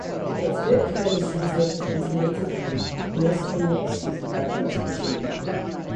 Its bytecode is translated into native code or-most commonly-executed by a virtual machine.